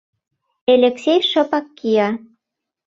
Элексей шыпак кия.